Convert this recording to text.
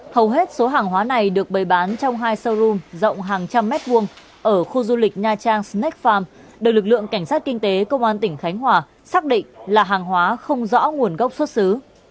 hầu hết số hàng hóa này được bày bán trong hai showroom rộng hàng trăm mét vuông ở khu du lịch nha trang snack farm được lực lượng cảnh sát kinh tế công an tỉnh khánh hòa xác định là hàng hóa không rõ nguồn gốc xuất xứ